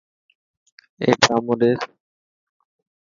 اي ڊرامون ڏيک.